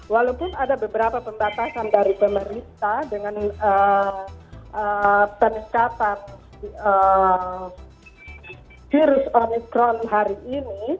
walaupun ada beberapa pembatasan dari pemerintah dengan peningkatan virus omikron hari ini